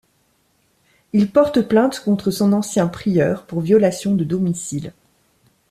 Il porte plainte contre son ancien prieur pour violation de domicile.